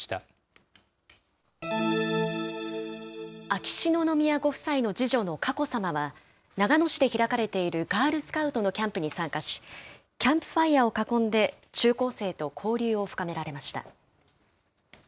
秋篠宮ご夫妻の次女の佳子さまは、長野市で開かれているガールスカウトのキャンプに参加し、キャンプファイアを囲んで中高生と交流を深められました。